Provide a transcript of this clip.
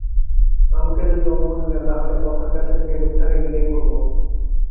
আমাকে যদি অনুমতি দেন তাহলে কথার প্যাঁচে ফেলে লোকটাকে বিদেয় করব।